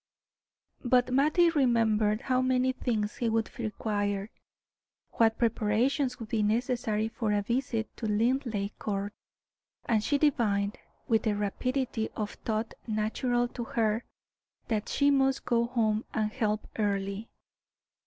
But Mattie remembered how many things he would require, what preparations would be necessary for a visit to Linleigh Court; and she divined, with the rapidity of thought natural to her, that she must go home and help Earle.